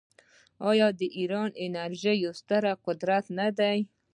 آیا ایران د انرژۍ یو ستر قدرت نه دی؟